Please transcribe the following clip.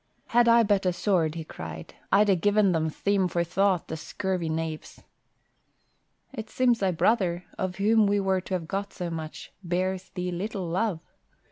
"Had I but a sword," he cried, "I'd ha' given them theme for thought, the scurvy knaves!" "It seems thy brother, of whom we were to have got so much, bears thee little love."